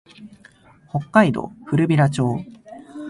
北海道古平町